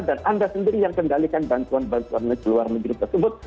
dan anda sendiri yang kendalikan bantuan bantuan luar negeri tersebut